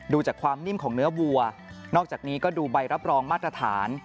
ดูจากความนิ่มของเนื้อวัวนอกจากนี้ก็ดูใบรับรองมาตรฐาน